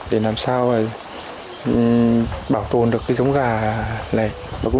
để làm sao